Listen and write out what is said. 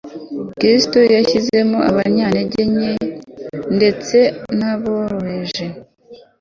Kristo ashyiramo abanyantege nke ndetse naboroheje